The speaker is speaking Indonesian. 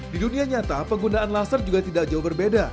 di dunia nyata penggunaan laser juga tidak jauh berbeda